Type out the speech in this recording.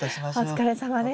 お疲れさまです。